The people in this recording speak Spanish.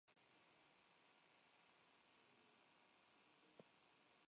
En esta misión se mantuvo aproximadamente un mes.